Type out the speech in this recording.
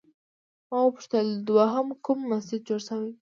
ما وپوښتل دوهم کوم مسجد جوړ شوی؟